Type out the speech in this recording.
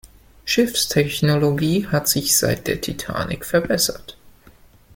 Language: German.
Schiffstechnologie hat sich seit der Titanic verbessert.